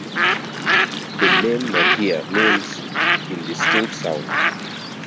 The name Mahia means "indistinct sound".